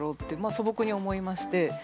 素朴に思いまして。